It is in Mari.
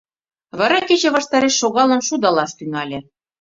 Вара кече ваштареш шогалын шудалаш тӱҥале: